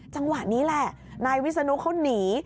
จังหวะนี้แหละนายวิศนุเขาหนี